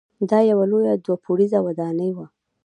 دا یوه لویه دوه پوړیزه ودانۍ وه.